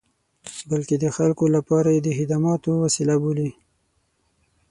بلکې د خلکو لپاره یې د خدماتو وسیله بولي.